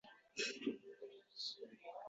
“Toshkentga uxlagani keldinglarmi?